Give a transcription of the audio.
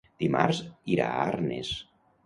Dimarts irà a Arnes.